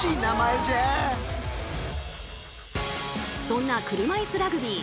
そんな車いすラグビー。